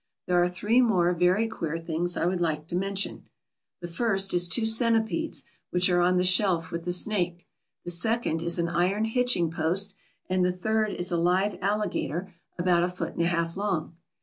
There are three more very queer things I would like to mention. The first is two centipedes, which are on the shelf with the snake; the second is an iron hitching post; and the third is a live alligator about a foot and a half long.